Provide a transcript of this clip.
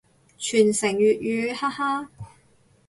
傳承粵語，哈哈